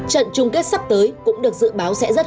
trận chung kết sắp tới cũng được dự báo sẽ rất là đáng đáng